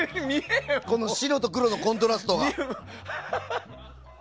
この白と黒のコントラストが。